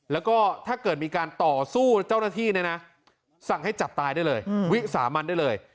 แล้วก็ถ้าเกิดมีการต่อสู้เจ้าหน้าที่เนี่ยนะสั่งให้จับตายได้เลยวิสามันได้เลย